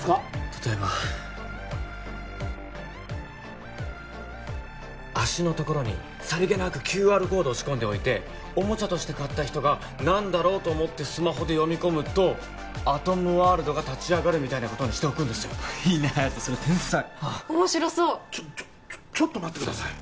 例えば足のところにさりげなくＱＲコードを仕込んでおいておもちゃとして買った人が何だろうと思ってスマホで読み込むとアトムワールドが立ち上がるみたいなことにしておくんですよいいね隼人それ天才面白そうちょちょちょっと待ってください